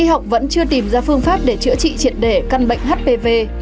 y học vẫn chưa tìm ra phương pháp để chữa trị triệt để căn bệnh hpv